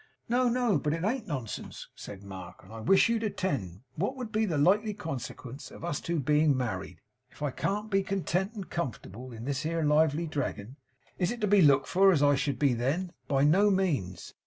'No, no, but it an't nonsense,' said Mark; 'and I wish you'd attend. What would be the likely consequence of us two being married? If I can't be content and comfortable in this here lively Dragon now, is it to be looked for as I should be then? By no means.